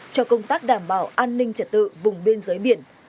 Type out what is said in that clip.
cho công tác đảm bảo an ninh trật tự vùng biên giới biển